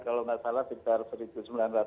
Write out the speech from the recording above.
kalau tidak salah sekitar seribu